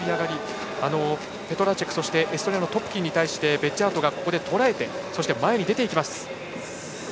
ペトラチェクそしてエストニアのトプキンに対してベッジャートがとらえて前に出ていきます。